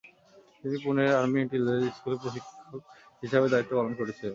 তিনি পুনের army intelligence স্কুলে প্রশিক্ষক হিসাবেও দায়িত্ব পালন করেছিলেন।